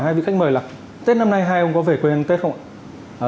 hai vị khách mời là tết năm nay hai ông có về quê ăn tết không ạ